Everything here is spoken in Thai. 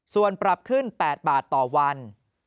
ส่วนปรับขึ้น๘บาทต่อวัน